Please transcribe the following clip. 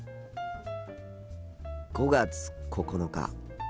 ５月９日。